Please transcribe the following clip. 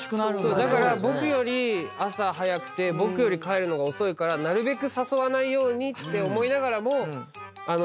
だから僕より朝早くて僕より帰るのが遅いからなるべく誘わないようにって思いながらも。